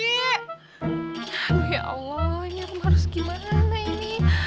ya allah ini harus gimana ini